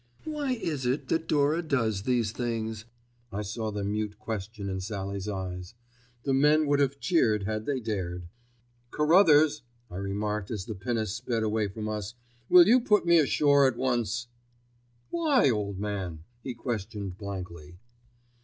"Why is it that Dora does these things?" I saw the mute question in Sallie's eyes. The men would have cheered had they dared. "Carruthers," I remarked as the pinnace sped away from us, "will you put me ashore at once?" "Why, old man?" he questioned blankly.